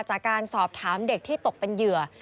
จากการสอบถามเด็กที่ตกเป็นเหยื่อ